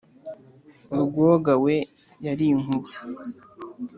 urwoga we yari inkuba